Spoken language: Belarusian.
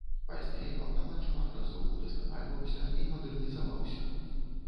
Пазней аўтамат шмат разоў удасканальваўся і мадэрнізаваўся.